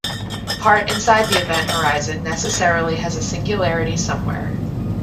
The part inside the event horizon necessarily has a singularity somewhere.